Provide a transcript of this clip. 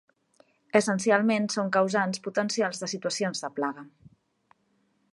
Essencialment són causants potencials de situacions de plaga.